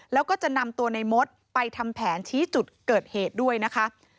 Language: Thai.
แล้วก็จะนำตัวในมดไปทำแผนชี้จุดเกิดเหตุด้วยนะคะ